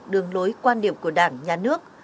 đường lối quan điểm của đảng nhà nước